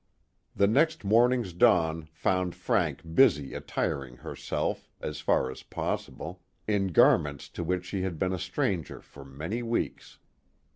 The next morning's dawn found Frank busy attiring herself, as far as possible, in garments to which she had been a stranger for many weeks.